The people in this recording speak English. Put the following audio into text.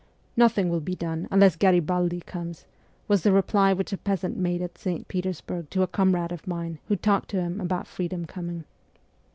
'Nothing will be done unless Garibaldi comes,' was the reply which a peasant made at St. Petersburg to a comrade of mine who talked to him about ' freedom coming.'